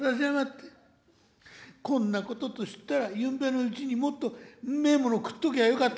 こんなことと知ったらゆんべのうちにもっとうめえもの食っときゃよかった」。